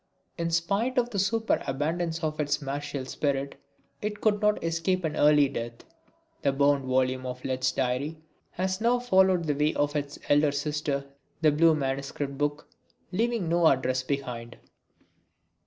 In spite of the superabundance of its martial spirit, it could not escape an early death. That bound volume of Lett's diary has now followed the way of its elder sister, the blue manuscript book, leaving no address behind.